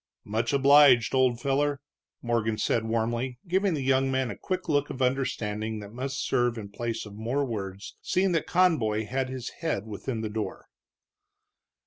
"Much obliged, old feller," Morgan said, warmly, giving the young man a quick look of understanding that must serve in place of more words, seeing that Conboy had his head within the door.